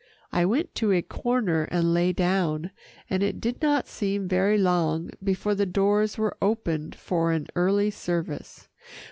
I went to a corner and lay down, and it did not seem very long before the doors were opened for an early service.